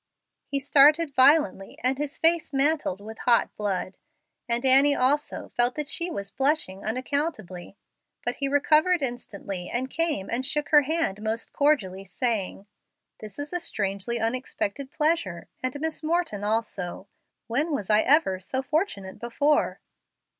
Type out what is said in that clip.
He started violently, and his face mantled with hot blood, and Annie also felt that she was blushing unaccountably. But he recovered instantly, and came and shook her hand most cordially, saying, "This is a strangely unexpected pleasure. And Miss Morton, also! When was I ever so fortunate before?"